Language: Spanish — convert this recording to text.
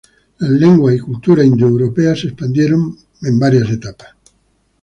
Las lenguas y cultura indoeuropeas se expandieron en varias etapas.